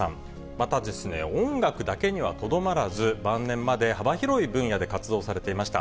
また、音楽だけにはとどまらず、晩年まで幅広い分野で活動されていました。